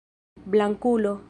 blankulo